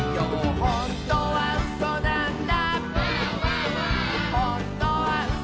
「ほんとにうそなんだ」